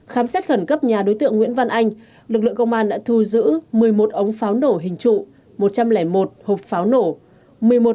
khám xét khẩn cấp nhà đối tượng nguyễn văn anh lực lượng công an đã thu giữ một mươi một ống pháo nổ hình trụ một trăm linh một hộp pháo nổ